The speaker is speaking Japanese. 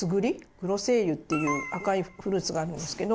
グロセイユっていう赤いフルーツがあるんですけど。